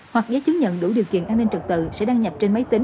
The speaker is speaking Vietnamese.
hoặc giấy chứng nhận đủ điều kiện an ninh trật tự sẽ đăng nhập trên máy tính